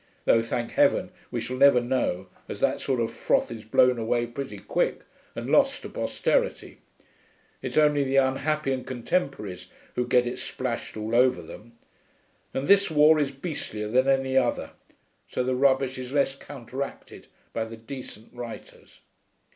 Though, thank heaven, we shall never know, as that sort of froth is blown away pretty quick and lost to posterity. It's only the unhappy contemporaries who get it splashed all over them. And this war is beastlier than any other, so the rubbish is less counteracted by the decent writers.